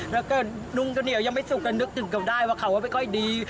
แล้วก็นุ่งข้าวเหนียวยังไม่สุกก็นึกถึงเขาได้ว่าเขาก็ไม่ค่อยดี